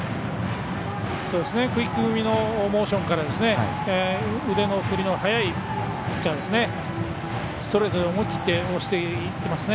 クイック気味のモーションから腕の振りの早いピッチャーですね。